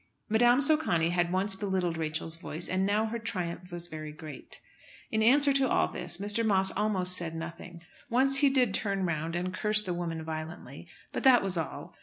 Madame Socani had once belittled Rachel's voice, and now her triumph was very great. In answer to all this Mr. Moss almost said nothing. Once he did turn round and curse the woman violently, but that was all.